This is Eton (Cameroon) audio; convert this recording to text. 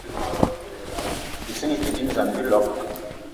Ìsínga í te dínzan á bíloig